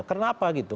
karena apa gitu